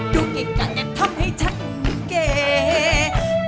ดูเก่งกันทำให้ฉันเก๋